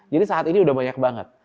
jadi saat ini sudah banyak banget